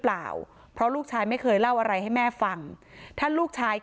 เปล่าเพราะลูกชายไม่เคยเล่าอะไรให้แม่ฟังถ้าลูกชาย